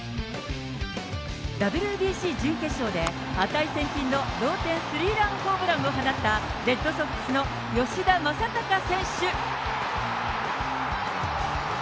ＷＢＣ準決勝で値千金の同点スリーランホームランを放ったレッドソックスの吉田正尚選手。